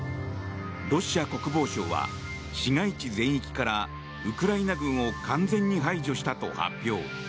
ロシア国防省は市街地全域からウクライナ軍を完全に排除したと発表。